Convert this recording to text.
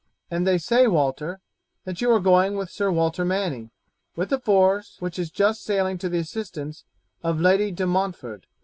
"And they say, Walter, that you are going with Sir Walter Manny, with the force which is just sailing to the assistance of Lady De Montford."